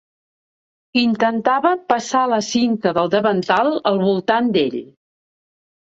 Intentava passar la cinta del davantal al voltant d'ell.